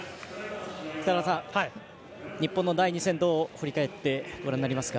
北原さん、日本の第２戦どう振り返ってご覧になりますか。